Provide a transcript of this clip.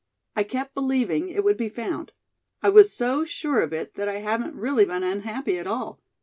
I kept believing it would be found. I was so sure of it that I haven't really been unhappy at all.